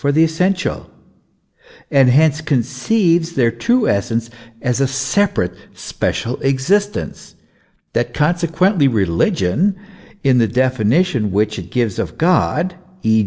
XI the essential, and hence conceives their true essence as a sepa rate, special existence : that consequently, religion, in the definitions which it gives of God, e.